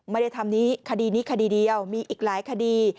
ไม่ได้ทำนี้คดีนี้คดีเดียวมีอีกหลายคดี